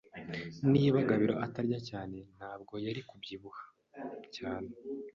Niba Gabiro atarya cyane, ntabwo yari kubyibuha cyane.